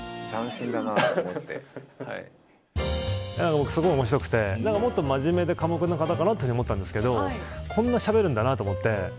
僕、すごい面白くてもっと真面目で寡黙な方かなと思ったんですけどこんなにしゃべるんだと思って。